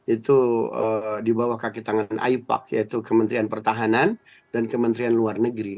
itu di bawah kaki tangan aypak yaitu kementerian pertahanan dan kementerian luar negeri